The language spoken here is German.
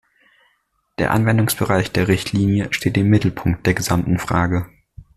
Der Anwendungsbereich der Richtlinie steht im Mittelpunkt der gesamten Frage.